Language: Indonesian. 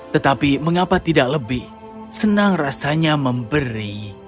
tetapi mengapa tidak lebih senang rasanya memberi